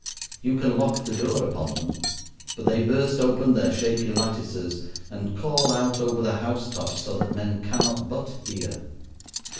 You can lock the door upon them, but they burst open their shaky lattices and call out over the house tops so that men cannot but hear.